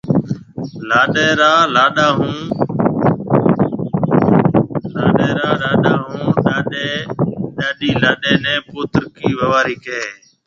لاڏيَ را ڏاڏو هانَ ڏاڏِي لاڏيِ نَي پوترڪِي ووارِي ڪهيَ هيَ۔